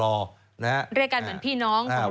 เลขันเหมือนพี่น้องของเรียนเตรียมทหาร